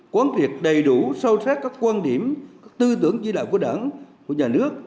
quán triệt đầy đủ sâu sát các quan điểm các tư tưởng chỉ đạo của đảng của nhà nước